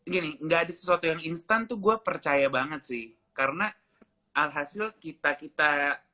gini nggak ada sesuatu yang instan tuh gue percaya banget sih karena alhasil kita kita